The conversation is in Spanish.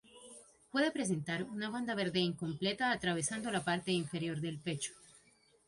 Puede presentar una banda verde incompleta atravesando la parte inferior del pecho.